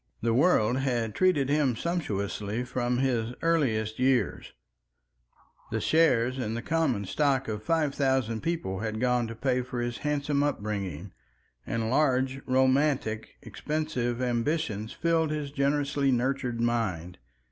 The world had treated him sumptuously from his earliest years; the shares in the common stock of five thousand people had gone to pay for his handsome upbringing, and large, romantic, expensive ambitions filled his generously nurtured mind.